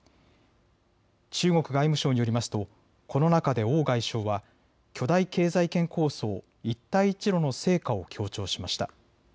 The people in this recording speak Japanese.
中国外務省によりますとこの中で王外相は巨大経済圏構想、一帯一路の成果を強調しました。